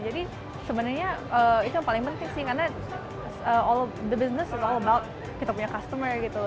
jadi sebenernya itu yang paling penting sih karena all the business is all about kita punya customer gitu